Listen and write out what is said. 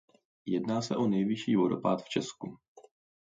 Jedná se o nejvyšší vodopád v Česku.